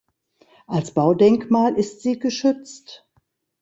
Als Baudenkmal ist sie geschützt.